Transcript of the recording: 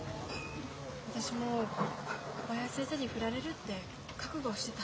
私もう小林先生に振られるって覚悟してた。